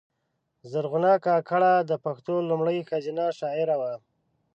زرغونه کاکړه د پښتو لومړۍ ښځینه شاعره وه